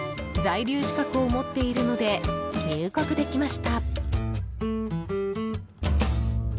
在留資格を持っているので入国できました。